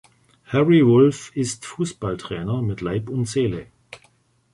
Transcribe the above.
Harry Wulff ist Fußballtrainer mit Leib und Seele.